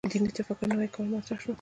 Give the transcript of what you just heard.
دیني تفکر نوي کول مطرح شو.